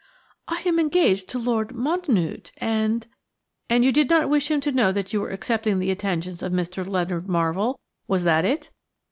"I am engaged to Lord Mountnewte and–" "And you did not wish him to know that you were accepting the attentions of Mr. Leonard Marvell–was that it?